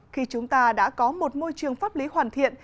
khi chúng ta đã có một môi trường pháp lý hoàn thiện